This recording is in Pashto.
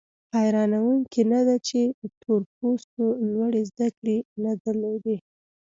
حیرانوونکي نه ده چې تور پوستو لوړې زده کړې نه درلودې.